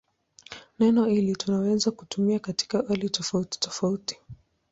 Neno hili tunaweza kutumia katika hali tofautitofauti.